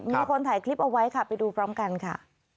มีคนถ่ายคลิปเอาไว้ค่ะไปดูพร้อมกันค่ะ